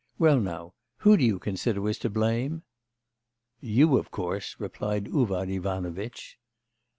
Well now, who do you consider was to blame?' 'You, of course,' replied Uvar Ivanovitch.